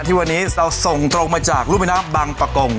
ที่วันนี้เราส่งตรงมาจากรูปแม่น้ำบังปะกง